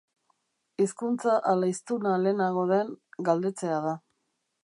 Hizkuntza ala hiztuna lehenago den, galdetzea da.